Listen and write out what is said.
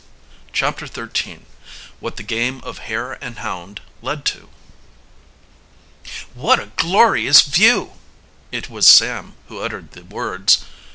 CHAPTER XIII WHAT THE GAME OF HARE AND HOUND LED TO "What a glorious view!" It was Sam who uttered the words.